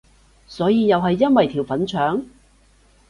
所以又係因為條粉腸？